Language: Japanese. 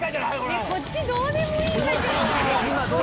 「こっちどうでもいいんだけど」